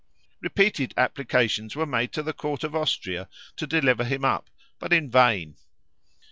Repeated applications were made to the court of Austria to deliver him up, but in vain.